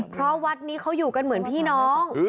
เพราะวัดนี้เขาอยู่กันเหมือนพี่น้อง